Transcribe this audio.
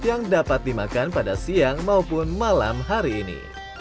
yang dapat dimakan pada siang maupun malam hari ini